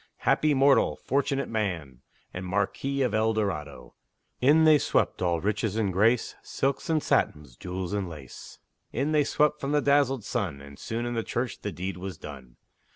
Happy mortal! fortunate man! And Marquis of El Dorado! In they swept, all riches and grace, Silks and satins, jewels and lace; In they swept from the dazzled sun, And soon in the church the deed was done.